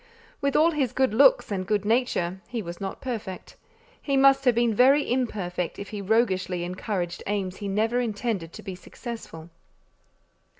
With all his good looks and good nature, he was not perfect; he must have been very imperfect if he roguishly encouraged aims he never intended to be successful.